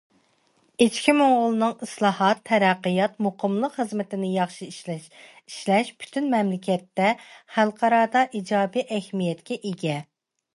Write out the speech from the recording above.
ئىچكى موڭغۇلنىڭ ئىسلاھات، تەرەققىيات، مۇقىملىق خىزمىتىنى ياخشى ئىشلەش پۈتۈن مەملىكەتتە، خەلقئارادا ئىجابىي ئەھمىيەتكە ئىگە.